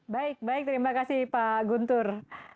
baik baik terima kasih pak guntur